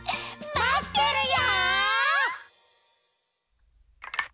まってるよ！